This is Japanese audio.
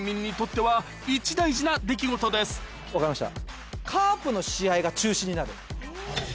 分かりました。